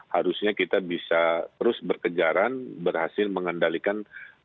harusnya kita bisa terus berkejaran berhasil mengendalikan